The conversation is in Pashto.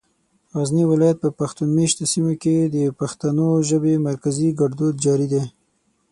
غزني ولايت په پښتون مېشتو سيمو کې د پښتو ژبې مرکزي ګړدود جاري دی.